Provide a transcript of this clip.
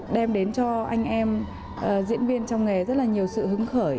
đem đến cho anh em diễn viên trong nghề rất là nhiều sự hứng khởi